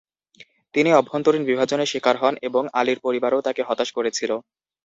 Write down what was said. তিনি অভ্যন্তরীণ বিভাজনের স্বীকার হন এবং আলীর পরিবারও তাকে হতাশ করেছিল।